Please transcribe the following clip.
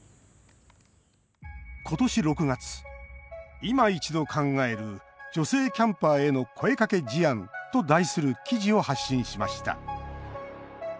今年６月「いま一度考える『女性キャンパーへの声かけ事案』」と題する記事を発信しました。